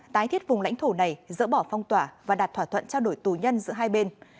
tái thiết vùng lãnh thổ này dỡ bỏ phong tỏa và đạt thỏa thuận trao đổi tù nhân giữa hai bên